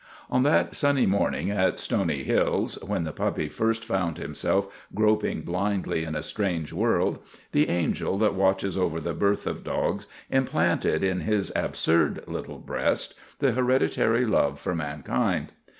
On that sunny morning at Stony Hills, when the puppy first found himself groping blindly in a strange world, the angel that watches over the birth of dogs implanted in his absurd little breast the hereditary love for mankind.